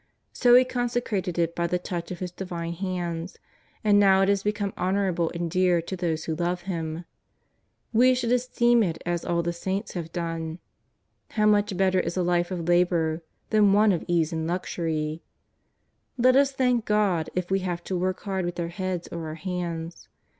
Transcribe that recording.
So He consecrated it by the touch of His divine hands, and now it has become honourable and dear to those who love Him. We should esteem it as all the saints have done. How much better is a life of labour than one of ease and luxury ! Let us thank God if we have to work hard with our heads or our hands.